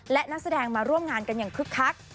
และนักแสดงมาร่วมงานกันอย่างคึกคัก